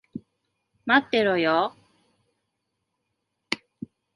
待ってろよ。